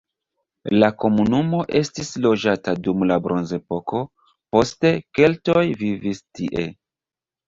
La komunumo estis loĝata dum la bronzepoko, poste keltoj vivis tie.